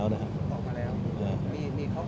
หมอบรรยาหมอบรรยา